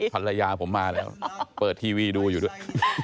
ภรรยาผมมาแล้วเปิดทีวีดูอยู่ด้วย